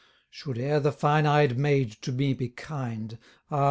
Should e'er the fine eyed maid to me be kind, Ah!